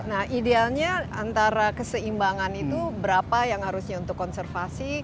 nah idealnya antara keseimbangan itu berapa yang harusnya untuk konservasi